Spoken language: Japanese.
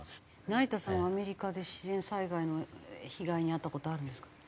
成田さんはアメリカで自然災害の被害に遭った事あるんですか？